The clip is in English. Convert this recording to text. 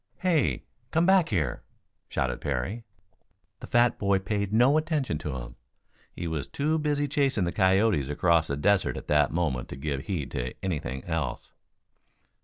"Hey, come back here!" shouted Parry. The fat boy paid no attention to him. He was too busy chasing coyotes across the desert at that moment to give heed to anything else.